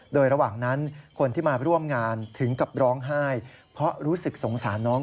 โดยระหว่างนั้นคนที่มาร่วมงานถึงกับร้องไห้เพราะรู้สึกสงสารน้อง